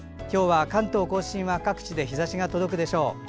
今日は関東・甲信は各地で日ざしが届くでしょう。